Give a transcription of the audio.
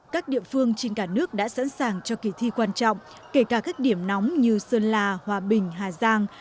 các địa phương trên cả nước đã sẵn sàng cho kỳ thi quan trọng kể cả các điểm nóng như sơn la hòa bình hà giang